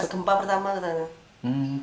gempa pertama katanya